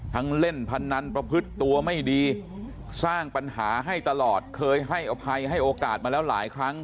เล่นพนันประพฤติตัวไม่ดีสร้างปัญหาให้ตลอดเคยให้อภัยให้โอกาสมาแล้วหลายครั้ง